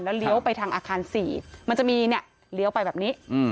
เลี้ยวไปทางอาคาร๔มันจะมีเนี่ยเลี้ยวไปแบบนี้